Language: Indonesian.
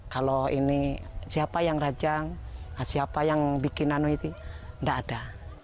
kalau ini siapa yang rajang siapa yang bikin anu itu tidak ada